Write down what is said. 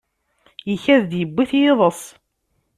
Ikad-d yewwi-t yiḍes.